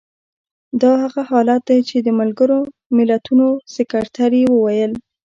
دا هغه حالت دی چې د ملګرو ملتونو سکتر یې وویل.